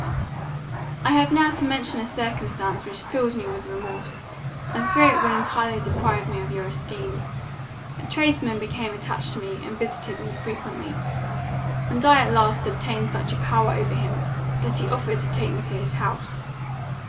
"I have now to mention a circumstance which fills me with remorse, and fear it will entirely deprive me of your esteem. A tradesman became attached to me, and visited me frequently, and I at last obtained such a power over him, that he offered to take me home to his house.